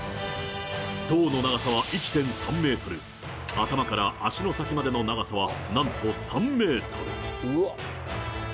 胴の長さは１．３メートル、頭から足の先までの長さはなんと３メートル。